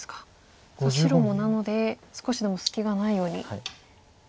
さあ白もなので少しでも隙がないように。